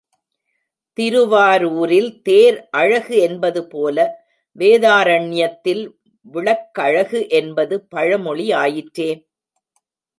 திருவாரூரில் தேர் அழகு என்பது போல வேதாரண்யத்தில் விளக்கழகு என்பது பழமொழி ஆயிற்றே.